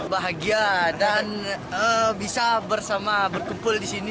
bahagia dan bisa bersama berkumpul di sini